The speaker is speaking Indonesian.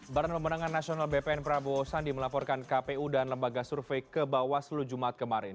barang pemenangan nasional bpn prabowo sandi melaporkan kpu dan lembaga survei ke bawaslu jumat kemarin